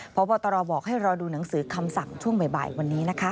พบตรบอกให้รอดูหนังสือคำสั่งช่วงบ่ายวันนี้นะคะ